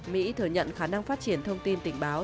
mỹ thừa nhận khả năng phát triển thông tin tình báo